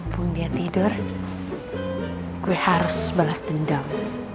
pun dia tidur gue harus balas dendam